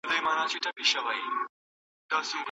شکر د مومن لپاره یوه لویه بریا ده.